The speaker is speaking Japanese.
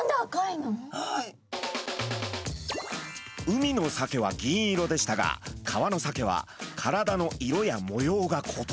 海のサケは銀色でしたが川のサケは体の色や模様が異なります。